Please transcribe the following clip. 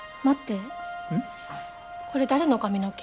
これ誰の髪の毛？